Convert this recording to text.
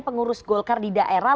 pengurus golkar di daerah